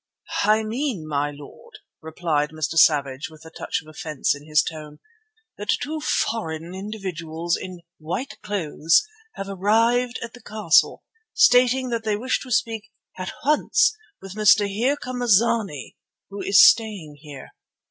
"I mean, my lord," replied Mr. Savage with a touch of offence in his tone, "that two foreign individuals in white clothes have arrived at the castle, stating that they wish to speak at once with a Mr. Here come a zany who is staying here.